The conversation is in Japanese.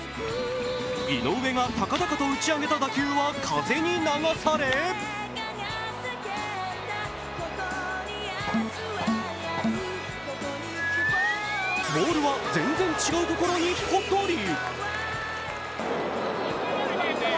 井上が高々と打ち上げた打球は風に流されボールは全然違う所にポトリ。